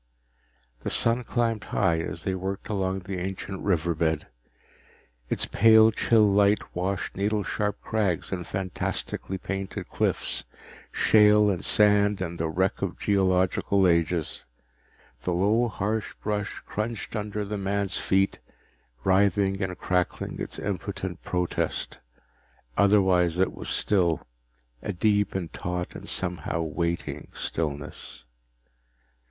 The sun climbed high as they worked along the ancient river bed. Its pale chill light washed needle sharp crags and fantastically painted cliffs, shale and sand and the wreck of geological ages. The low harsh brush crunched under the man's feet, writhing and crackling its impotent protest. Otherwise it was still, a deep and taut and somehow waiting stillness.